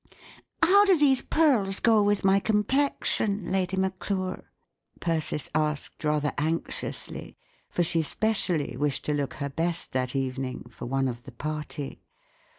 " How do these pearls go with my complexion, Lady Maclure ?" Persis asked rather anxiously; for she specially wished to look her best that evening, for one of the party.